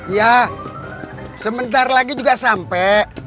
iya sementara lagi juga sampe